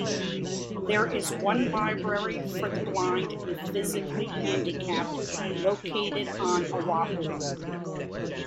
There is one library for the blind and physically handicapped, located on Oahu.